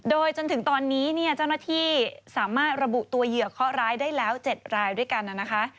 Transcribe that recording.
โดยจนถึงตอนนี้เนี่ยเจ้าหน้าที่สามารถระบุตัวเหยื่อเคาะร้ายได้แล้ว๗รายด้วยกันนะคะ